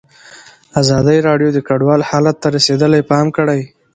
ازادي راډیو د کډوال حالت ته رسېدلي پام کړی.